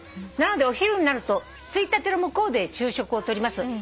「なのでお昼になるとついたての向こうで昼食を取ります」